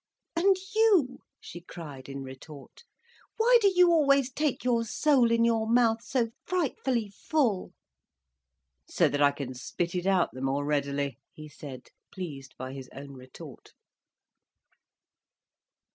"And you," she cried in retort, "why do you always take your soul in your mouth, so frightfully full?" "So that I can spit it out the more readily," he said, pleased by his own retort.